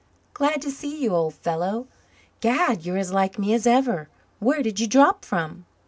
"Glad to see you, old fellow. Gad, you're as like me as ever. Where did you drop from?"